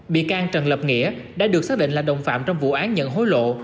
bị can trần lập nghĩa đã được xác định là đồng phạm trong vụ án nhận hối lộ